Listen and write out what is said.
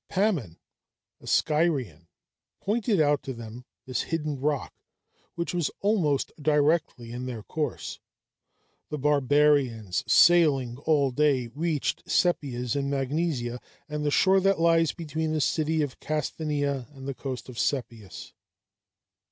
Pammon, a Scyrian, pointed out to them this hidden rock, which was almost directly in their course. The barbarians, sailing all day, reached Sepias in Magnesia, and the shore that lies between the city of Casthanæa and the coast of Sepias.